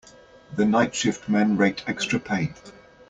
The night shift men rate extra pay.